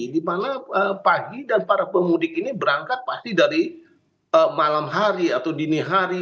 di mana pagi dan para pemudik ini berangkat pasti dari malam hari atau dini hari